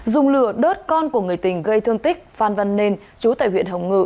dùng lửa đớt con của người tình gây thương tích phan văn nên chú tại huyện hồng ngự